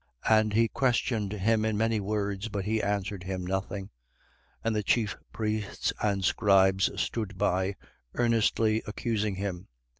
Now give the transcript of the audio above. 23:9. And he questioned him in many words. But he answered him nothing. 23:10. And the chief priests and the scribes stood by, earnestly accusing him.